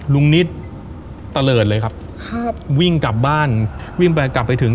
ลุงนิดตะเลิศเลยครับครับวิ่งกลับบ้านวิ่งไปกลับไปถึง